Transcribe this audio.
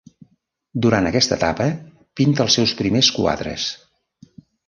Durant aquesta etapa pinta els seus primers quadres.